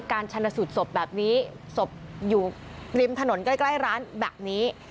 ชนสูตรศพแบบนี้ศพอยู่ริมถนนใกล้ร้านแบบนี้